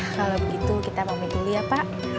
kalau begitu kita memilih dulu ya pak